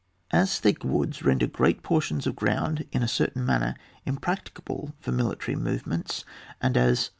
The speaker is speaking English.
As thick woods render great portions of ground in a certain manner impracti cable for military movements, and as, be 62 ON WAR [book y.